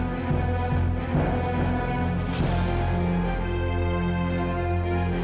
karena anak yang baru saja kamila lahirkan itu